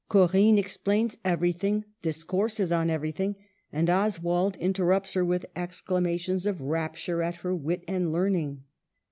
Corinne explains everything, dis courses on everything, and Oswald interrupts her with exclamations of rapture at her wit and learning.